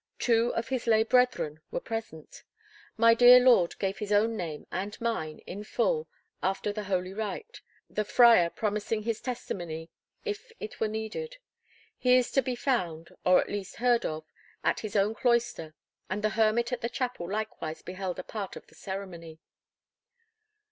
Two of his lay brethren were present. My dear lord gave his own name and mine in full after the holy rite; the friar promising his testimony if it were needed. He is to be found, or at least heard of, at his own cloister; and the hermit at the chapel likewise beheld a part of the ceremony."